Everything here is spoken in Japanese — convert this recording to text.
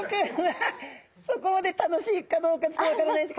そこまで楽しいかどうかちょっと分からないですけど